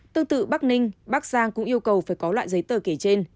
tương tự bắc ninh bắc giang cũng yêu cầu phải có loại giấy tờ kể trên